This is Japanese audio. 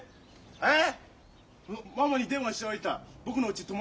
えっ？